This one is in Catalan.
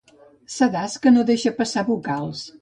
Sedàs que no deixa passar vocals.